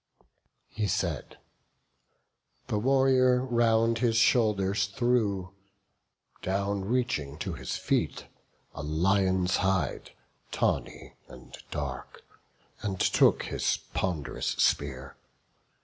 He said; the warrior round his shoulders threw, Down reaching to his feet, a lion's hide, Tawny and dark; and took his pond'rous spear.